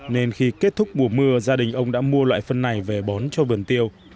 nên khi kết thúc mùa mưa gia đình ông đã mua loại phân này về bón cho vườn tiêu